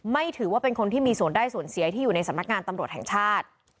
ถือว่าเป็นคนที่มีส่วนได้ส่วนเสียที่อยู่ในสำนักงานตำรวจแห่งชาติ